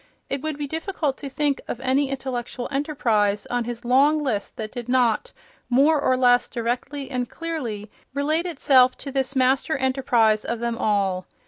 It would be difficult to think of any intellectual enterprise on his long list that did not, more or less directly and clearly, relate itself to this master enterprise of them all.